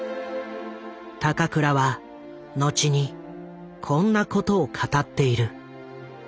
高倉は後にこんなことを語っている。